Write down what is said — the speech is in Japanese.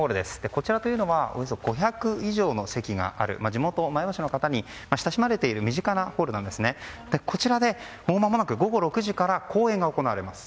こちらというのはおよそ５００以上の席がある地元・前橋市の方に親しまれている身近なホールなんですがこちらでまもなく午後６時から公演が行われます。